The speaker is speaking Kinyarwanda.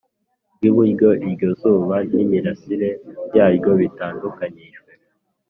Rw iburyo iryo zuba n imirasire yaryo bitandukanyijwe